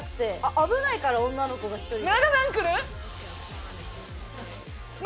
危ないから女の子が１人で。